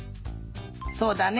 そうだね。